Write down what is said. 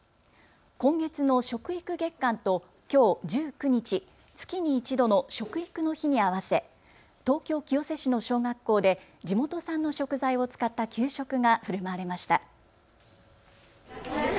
今月の食育月間ときょう１９日月に一度の食育の日に合わせ東京清瀬市の小学校で地元産の食材を使った給食がふるまわれました。